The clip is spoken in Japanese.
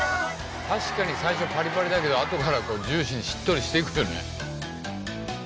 確かに最初パリパリだけど後からジューシーにしっとりしていくよね。